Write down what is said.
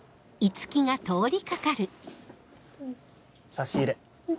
差し入れ。